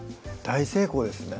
大成功です